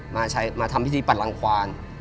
มาทำพิธีปัดรังควาน